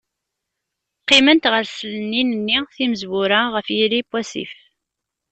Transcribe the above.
Qqiment ɣer tselnin-nni timezwura, ɣef yiri n wasif.